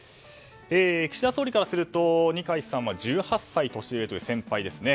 岸田総理からすると二階さんは１８歳年上という先輩ですね。